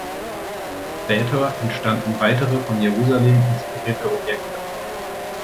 Später entstanden weitere von Jerusalem inspirierte Objekte.